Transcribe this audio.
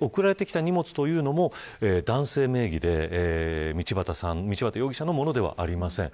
送られてきた荷物というのも男性名義で道端容疑者の物ではありません。